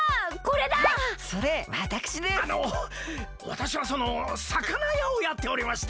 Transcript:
あのわたしはそのさかなやをやっておりまして。